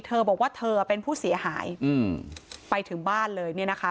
เธอบอกว่าเธอเป็นผู้เสียหายไปถึงบ้านเลยเนี่ยนะคะ